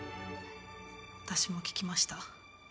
私も聞きました。